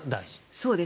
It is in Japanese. そうです。